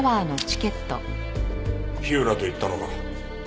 火浦と行ったのか？